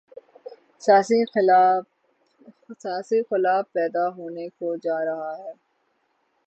سیاسی خلا پیدا ہونے کو جارہا ہے۔